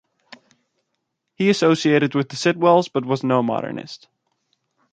He associated with the Sitwells, but was no modernist.